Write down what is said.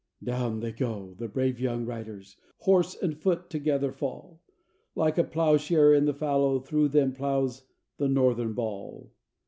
Down they go, the brave young riders; horse and foot together fall; Like a plowshare in the fallow through them ploughs the Northern ball."